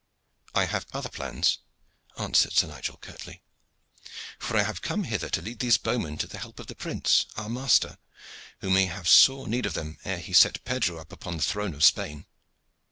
"I have other plans," answered Sir Nigel curtly; "for I have come hither to lead these bowmen to the help of the prince, our master, who may have sore need of them ere he set Pedro upon the throne of Spain.